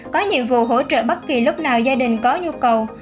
có nhiệm vụ hỗ trợ bất kỳ lúc nào gia đình có nhu cầu